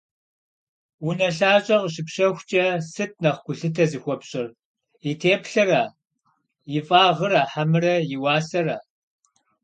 Унэлъащӏэ къыщыпщэхукӏэ сыт нэхъ гулъытэ зыхуэпщӏыр: и теплъэра, и фӏагъра хьэмэрэ и уасэра?